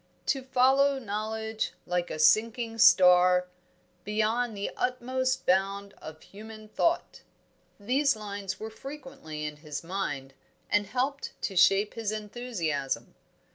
"To follow Knowledge like a sinking star Beyond the utmost bound of human thought " these lines were frequently in his mind, and helped to shape his enthusiasm.